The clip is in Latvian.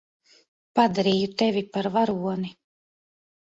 Padarīju tevi par varoni.